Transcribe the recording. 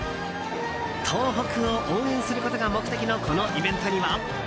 東北を応援することが目的のこのイベントには。